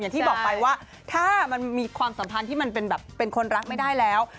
อย่างที่บอกไปว่าถ้ามันมีความสัมพันธ์ที่มันเป็นแบบเป็นคนรักไม่ได้แล้ว